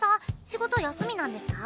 仕事休みなんですか？